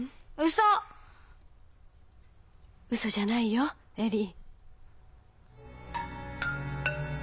ウソじゃないよ恵里。